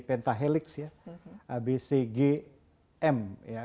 pentahelix ya bcgm